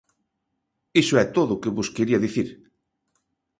Iso é todo o que vos quería dicir.